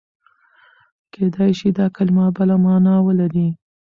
کېدای شي دا کلمه بله مانا ولري.